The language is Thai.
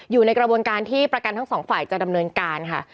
อยู่ในกระบวนการที่ประกันทั้งสองฝ่ายจะดำเนินการค่ะ